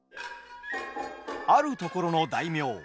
あるところの大名。